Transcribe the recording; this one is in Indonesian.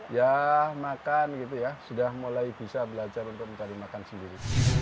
ya makan gitu ya sudah mulai bisa belajar untuk mencari makan sendiri